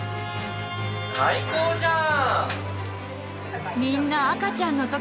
最高じゃん！